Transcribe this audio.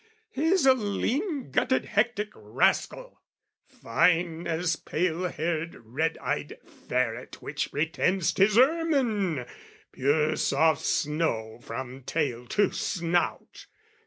He's a lean gutted hectic rascal, fine As pale haired red eyed ferret which pretends 'Tis ermine, pure soft snow from tail to snout.